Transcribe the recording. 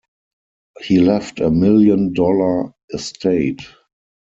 He left a million-dollar estate.